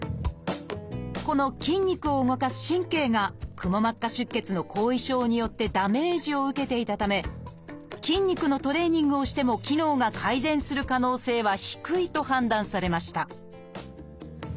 この筋肉を動かす神経がくも膜下出血の後遺症によってダメージを受けていたため筋肉のトレーニングをしても機能が改善する可能性は低いと判断されました